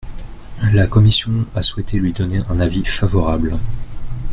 La commission a souhaité lui donner un avis favorable.